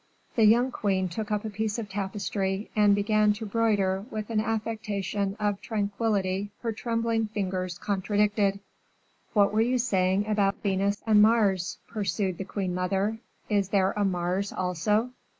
The young queen took up a piece of tapestry, and began to broider with an affectation of tranquillity her trembling fingers contradicted. "What were you saying about Venus and Mars?" pursued the queen mother. "Is there a Mars also?"